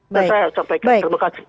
dan saya sampaikan terima kasih